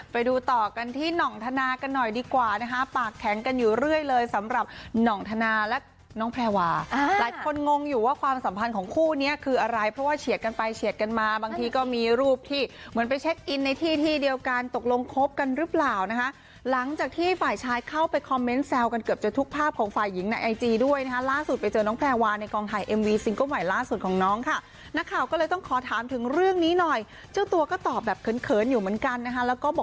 ไปดูต่อกันที่หน่องทนากันหน่อยดีกว่านะคะปากแข็งกันอยู่เรื่อยเลยสำหรับหน่องทนาและน้องแพรวาหลายคนงงอยู่ว่าความสัมพันธ์ของคู่เนี้ยคืออะไรเพราะว่าเฉียดกันไปเฉียดกันมาบางทีก็มีรูปที่เหมือนไปเช็คอินในที่ที่เดียวกันตกลงคบกันรึเปล่านะคะหลังจากที่ฝ่ายชายเข้าไปคอมเม้นต์แซวกันเกือบจะทุกภาพ